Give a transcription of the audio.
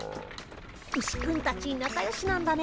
ウシくんたちなかよしなんだね。